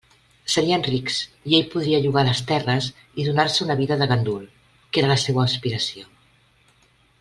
Serien rics i ell podria llogar les terres i donar-se una vida de gandul, que era la seua aspiració.